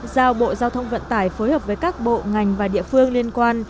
giao bộ giao thông vận tải phối hợp với các bộ ngành và địa phương liên quan